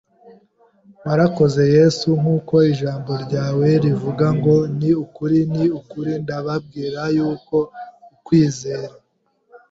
Warakoze Yesu! Nk’uko ijambo ryawe rivuga ngo: "Ni ukuri, ni ukuri, ndababwira yuko uwizera